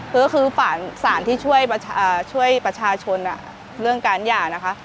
ก็คือสารที่ช่วยประชาชนเรื่องการหย่านะคะ